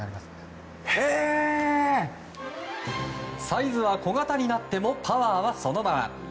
サイズは小型になってもパワーはそのまま。